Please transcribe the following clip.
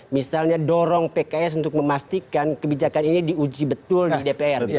misalnya dorong pks untuk memastikan kebijakan ini diuji betul di dpr